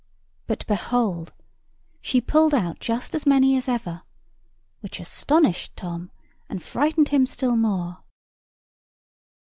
But, behold! she pulled out just as many as ever, which astonished Tom, and frightened him still more.